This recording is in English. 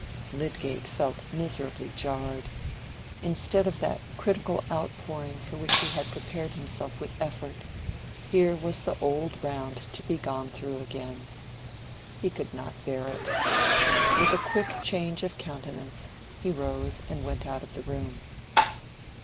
Lydgate felt miserably jarred. Instead of that critical outpouring for which he had prepared himself with effort, here was the old round to be gone through again. He could not bear it. With a quick change of countenance he rose and went out of the room.